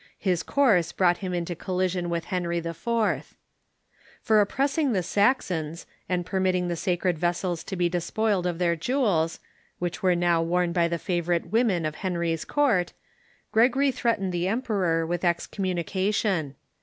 His course brought him into collision with Henry IV. For oppressing the Saxons, and permitting the sacred vessels to be despoiled of their jewels, which were now worn by the favorite women of Henry's court, Gregory threat ened the emperor with excommunication.